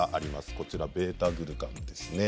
こちらβ−グルカンですね。